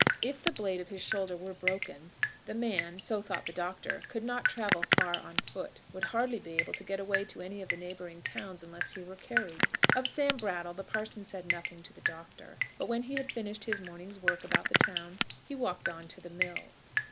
If the blade of his shoulder were broken, the man so thought the doctor could not travel far on foot, would hardly be able to get away to any of the neighbouring towns unless he were carried. Of Sam Brattle the parson said nothing to the doctor; but when he had finished his morning's work about the town, he walked on to the mill.